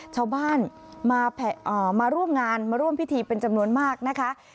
ชาวบ้านมาร่วมงานมาร่วมพิธีเป็นจำนวนมากนะคะ